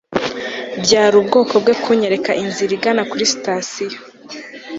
byari ubwoko bwe kunyereka inzira igana kuri sitasiyo